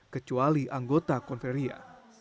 kecuali anggota konfreiria